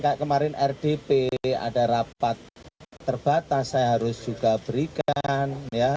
kayak kemarin rdp ada rapat terbatas saya harus juga berikan